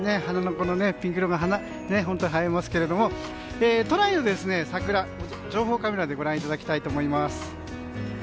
花のピンク色が映えますけれども都内の桜、情報カメラでご覧いただきたいと思います。